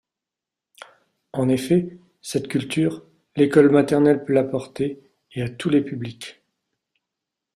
En effet, cette culture, l'école maternelle peut l'apporter, et à tous les publics.